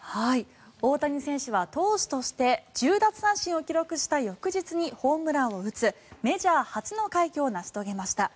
大谷選手は投手として１０奪三振を記録した翌日にホームランを打つメジャー初の快挙を成し遂げました。